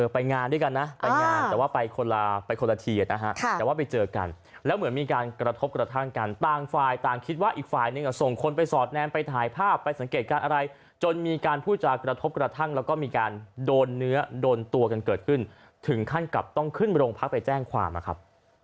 ไปงานด้วยกันนะไปงานแต่ว่าไปคนละไปคนละทีนะฮะแต่ว่าไปเจอกันแล้วเหมือนมีการกระทบกระทั่งกันต่างฝ่ายต่างคิดว่าอีกฝ่ายหนึ่งส่งคนไปสอดแนมไปถ่ายภาพไปสังเกตการณ์อะไรจนมีการพูดจากกระทบกระทั่งแล้วก็มีการโดนเนื้อโดนตัวกันเกิดขึ้นถึงขั้นกับต้องขึ้นโรงพักไปแจ้งความนะครับ